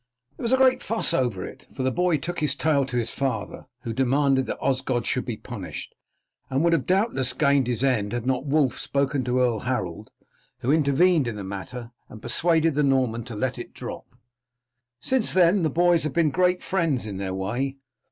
"There was a great fuss over it, for the boy took his tale to his father, who demanded that Osgod should be punished, and would doubtless have gained his end had not Wulf spoken to Earl Harold, who intervened in the matter and persuaded the Norman to let it drop. Since then the boys have been great friends in their way.